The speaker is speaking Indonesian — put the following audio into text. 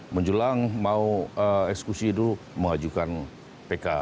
menjelang mau eksklusi itu mengajukan pk